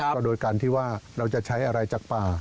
ก็โดยการที่ว่าเราจะใช้อะไรจากป่า